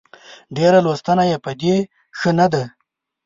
ډېره لوستنه يې په دې ښه نه ده